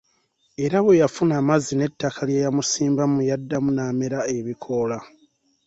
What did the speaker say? Era bwe yafuna amazzi n'ettaka lye yamusimbamu, yaddamu n'amera ebikoola.